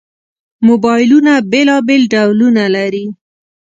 موبایلونه بېلابېل ډولونه لري.